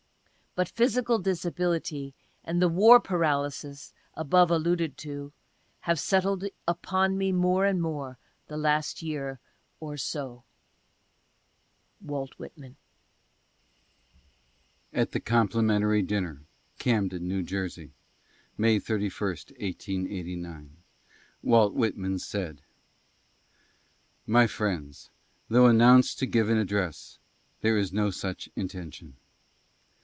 But physical disability and the war paralysis above alluded to have settled upon me more and more, the last year or so.) W. W. (4) At the Complimentary Dinner, Camden, New Jersey, May 31, 1889. WALT WHITMAN* SAID: MY FRIENDS, THOUGH ANNOUNCED TO GIVE AN ADDRESS, THERE IS NO SUCH INTENTION.